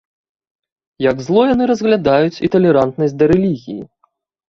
Як зло яны разглядаюць і талерантнасць да рэлігіі.